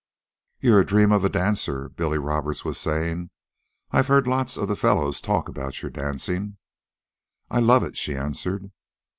"You're a dream of a dancer," Billy Roberts was saying. "I've heard lots of the fellows talk about your dancing." "I love it," she answered.